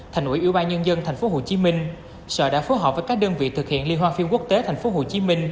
thành ủy ủy ban nhân dân tp hcm sở đã phối hợp với các đơn vị thực hiện liên hoan phim quốc tế tp hcm